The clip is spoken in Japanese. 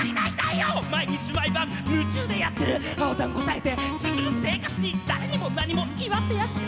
毎日毎晩夢中でやってる」「青タンこさえて綴る生活に誰にも何も言わせやしないと」